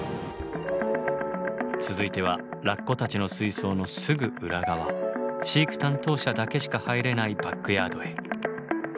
続いてはラッコたちの水槽のすぐ裏側飼育担当者だけしか入れないバックヤードへ。